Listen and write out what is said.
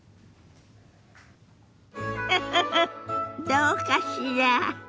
フフフどうかしら？